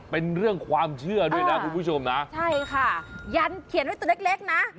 เป็นเรื่องความเชื่อด้วยนะคุณผู้ชมนะใช่ค่ะยันเขียนไว้ตัวเล็กเล็กนะ